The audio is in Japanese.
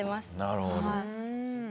なるほど。